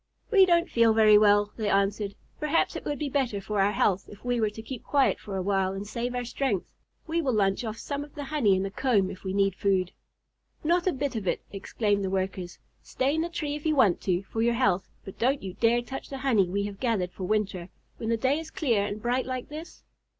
"We don't feel very well," they answered. "Perhaps it would be better for our health if we were to keep quiet for a while and save our strength. We will lunch off some of the honey in the comb if we need food." "Not a bit of it!" exclaimed the Workers. "Stay in the tree if you want to for your health, but don't you dare touch the honey we have gathered for winter, when the day is clear and bright like this."